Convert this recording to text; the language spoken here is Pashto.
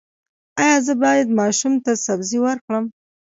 ایا زه باید ماشوم ته سبزي ورکړم؟